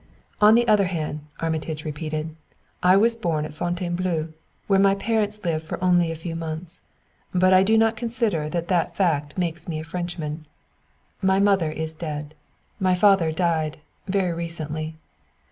"On the other hand," Armitage repeated, "I was born at Fontainebleau, where my parents lived for only a few months; but I do not consider that that fact makes me a Frenchman. My mother is dead. My father died very recently.